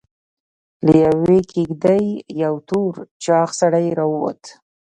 له يوې کېږدۍ يو تور چاغ سړی راووت.